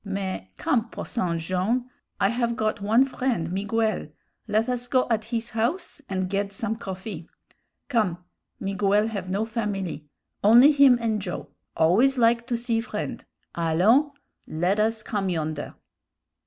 Mais, come, Posson Jone'; I have got one friend, Miguel; led us go at his house and ged some coffee. Come; Miguel have no familie; only him and Joe always like to see friend; allons, led us come yonder."